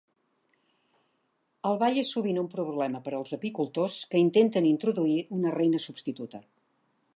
El ball és sovint un problema per als apicultors que intenten introduir una reina substituta.